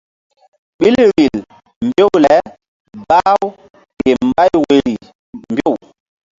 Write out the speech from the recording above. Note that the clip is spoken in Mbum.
Ɓil vbil mbew le bah-u ke mbay woyri mbew.